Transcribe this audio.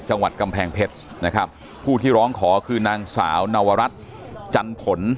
จังหวัดกำแพงเพชรนะครับผู้ที่ร้องขอคือนางสาวนวรัฐจันผล